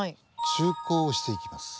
中耕をしていきます。